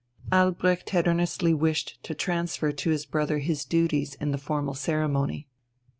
Albrecht had earnestly wished to transfer to his brother his duties in the formal ceremony.